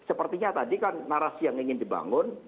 jadi sepertinya tadi kan narasi yang ingin dibangun